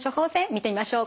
見てみましょう。